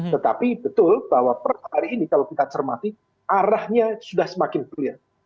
tetapi betul bahwa per hari ini kalau kita cermati arahnya sudah semakin clear